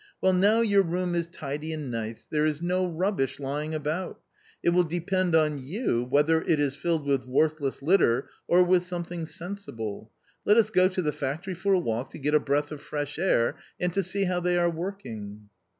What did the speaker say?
44 Well now your room is tidy and nice, there is no rubbish lying about ; it will depend on you whether it is filled with worthless litter or with something sensible. Let us go to the factory for a walk, to get a breath of fresh air and to see how they are working."